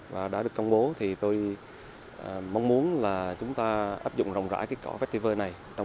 và đã được công bố thì tôi mong muốn chúng ta áp dụng rộng rãi cỏ vestiver này